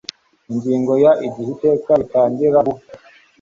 Ingingo ya Igihe iteka ritangira gu